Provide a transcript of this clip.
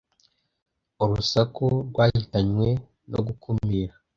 Urusaku rwahitanywe no gukumira.